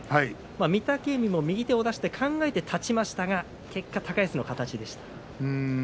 御嶽海も右手を出して考えて立ちましたが結果、高安の形でした。